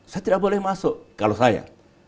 saya tidak boleh masuk kalau saya